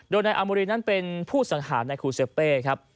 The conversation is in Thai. โดยนายอาโมรีนั้นเป็นผู้สังหารในคูเซเป้ครับ